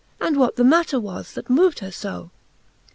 And what the matter was, that mov'd her fo.